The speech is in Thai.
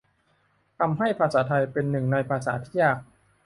ทำให้ภาษาไทยเป็นหนึ่งในภาษาที่ยาก